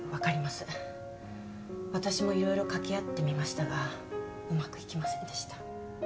私も色々掛け合ってみましたがうまくいきませんでした。